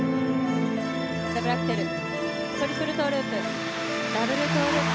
ダブルアクセルトリプルトウループダブルトウループ。